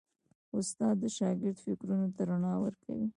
استاد د شاګرد فکرونو ته رڼا ورکوي.